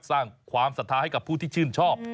สร้างความศรัทธาให้กับผู้ที่ชื่นชอบ